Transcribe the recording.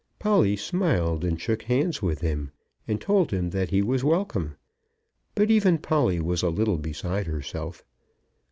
Polly smiled, and shook hands with him, and told him that he was welcome; but even Polly was a little beside herself.